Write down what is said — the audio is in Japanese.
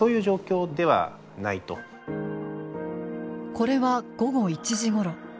これは午後１時ごろ。